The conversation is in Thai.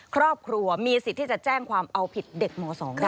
ครอบครัวมีสิทธิ์ที่จะแจ้งความเอาผิดเด็กม๒ได้